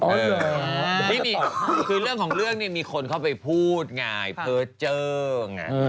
อ๋อเหรอคือเรื่องของเรื่องนี้มีคนเข้าไปพูดง่ายเพลิดเจิง